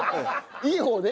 いい方ね？